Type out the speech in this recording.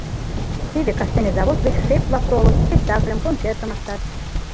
Теве кастене завод гыч шеф-влак толыт: спектакльым, концертым ыштат.